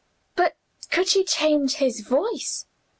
"But could he change his voice?"